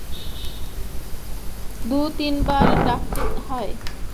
দু বার-তিন বার ডাকতে হয়।